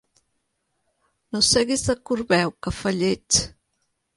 No seguis de corbeu, que fa lleig!